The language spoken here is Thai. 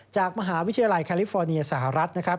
จากมหาวิทยาลัยแคลิฟอร์เนียสหรัฐนะครับ